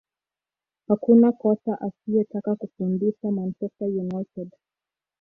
hakuna kocha asiyetaka kufundisha manchester united